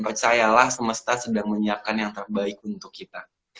percayalah semesta sedang menyiapkan yang terbaik untuk kita